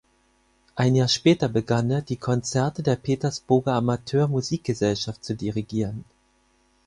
Ein Jahr später begann er, die Konzerte der Petersburger Amateur-Musikgesellschaft zu dirigieren.